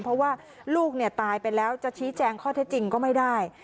เพราะว่าลูกตายไปแล้วจะชี้แจงข้อเท็จจริงก็ไม่ได้